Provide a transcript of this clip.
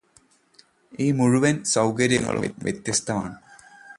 ഈ മുഴുവൻ സൗകര്യങ്ങളും വെത്യസ്തമാണ്